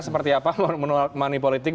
seperti apa money politik